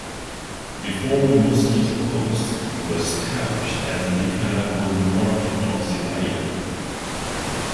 The former Mosquito Coast was established as the Nicaraguan department of Zelaya.